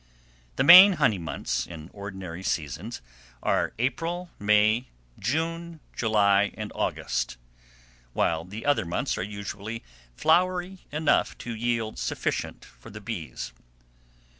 The main honey months, in ordinary seasons, are April, May, June, July, and August; while the other months are usually flowery enough to yield sufficient for the bees.